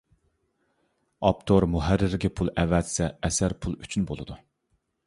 ئاپتور مۇھەررىرگە پۇل ئەۋەتسە ئەسەر پۇل ئۈچۈن بولىدۇ.